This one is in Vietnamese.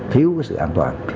thiếu cái sự an toàn